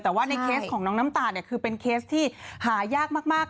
แต่ว่าในเคสของน้องน้ำตาลคือเป็นเคสที่หายากมาก